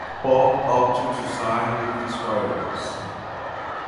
Paultz opted to sign with the Squires.